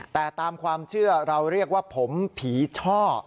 แต่ตามความเชื่อเราเรียกว่าผมผีช่อ